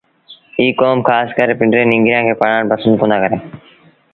ايٚ ڪوم کآس ڪري پنڊري ننگريآݩ کي پڙهآڻ پسند ڪوندآ ڪريݩ